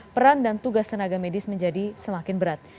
peran dan tugas tenaga medis menjadi semakin berat